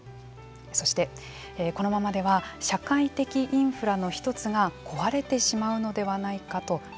そしてこのままでは社会的インフラの１つが壊れてしまうのではないかと心配です。